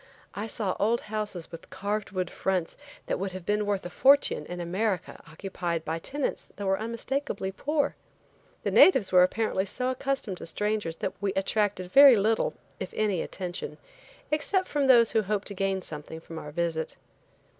I saw old houses with carved wood fronts that would have been worth a fortune in America occupied by tenants that were unmistakably poor. The natives were apparently so accustomed to strangers that we attracted very little, if any attention, except from those who hoped to gain something from our visit.